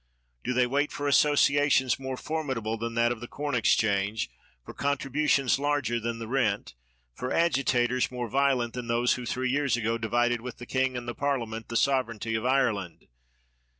Do they wait for associations more formidable 135 THE WORLD'S FAMOUS ORATIONS than that of the Corn Exchange, for contribu tions larger than the Rent, for agitators more ■violent than those who, three years ago, divided with the king and the Parliament the sovereignty of Ireland